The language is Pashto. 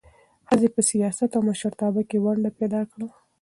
ښځې په سیاست او مشرتابه کې ونډه پیدا کړه.